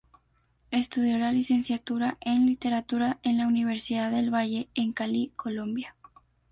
Estudió la Licenciatura en Literatura en la Universidad del Valle en Cali, Colombia.